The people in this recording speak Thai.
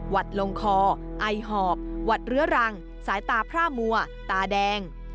ลงคอไอหอบหวัดเรื้อรังสายตาพร่ามัวตาแดง